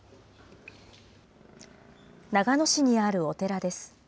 長野市にあるお寺です。